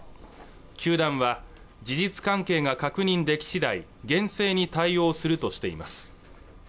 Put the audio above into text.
球団は事実関係が確認でき次第厳正に対応するとしています